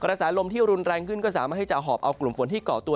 กระแสลมที่รุนแรงขึ้นก็สามารถให้จะหอบเอากลุ่มฝนที่เกาะตัว